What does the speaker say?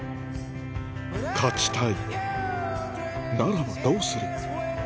勝ちたいならばどうする？